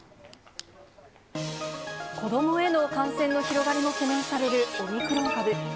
子どもへの感染の広がりも懸念されるオミクロン株。